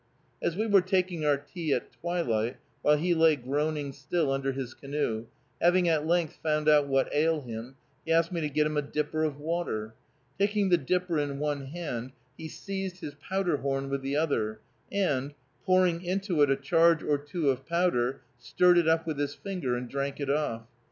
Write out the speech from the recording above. As we were taking our tea at twilight, while he lay groaning still under his canoe, having at length found out "what ail him," he asked me to get him a dipper of water. Taking the dipper in one hand he seized his powder horn with the other, and, pouring into it a charge or two of powder, stirred it up with his finger, and drank it off.